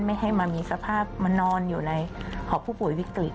ไม่ให้มามีสภาพมานอนอยู่ในหอบผู้ป่วยวิกฤต